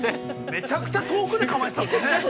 ◆めちゃくちゃ遠くで構えてたね。